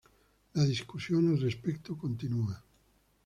La discusión al respecto continúa.